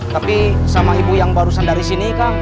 tapi sama ibu yang barusan dari sini kak